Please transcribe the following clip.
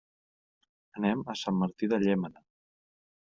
Anem a Sant Martí de Llémena.